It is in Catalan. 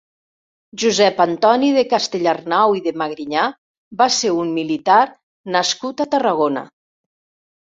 Josep Antoni de Castellarnau i de Magrinyà va ser un militar nascut a Tarragona.